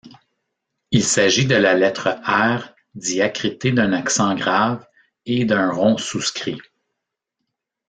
Il s’agit de la lettre R diacritée d’un accent grave et d’un rond souscrit.